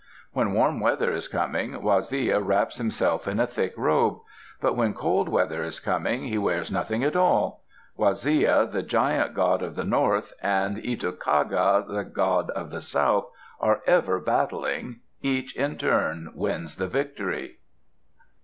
When warm weather is coming, Waziya wraps himself in a thick robe. But when cold weather is coming, he wears nothing at all. Waziya, the giant god of the north, and Itokaga, the god of the south, are ever battling. Each in turn wins the victory.